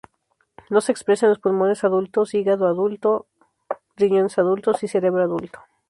No se expresa en los pulmones adultos, hígado adulto, riñones adultos y cerebro adulto.